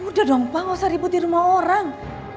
udah dong pak gak usah ribut di rumah orang